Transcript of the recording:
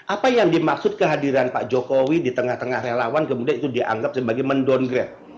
apa yang dimaksud kehadiran pak jokowi di tengah tengah relawan kemudian itu dianggap sebagai mendowngrade